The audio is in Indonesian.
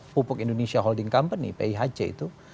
pupuk indonesia holding company pihc itu